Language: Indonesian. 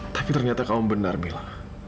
tapi ternyata kaum benar mila